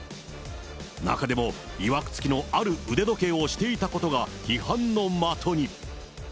中でも、いわくつきのある腕時計をしていたことが批判の的に。